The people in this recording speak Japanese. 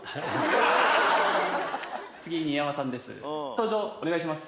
登場お願いします。